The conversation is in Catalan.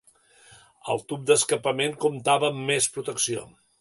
El tub d'escapament comptava amb més protecció.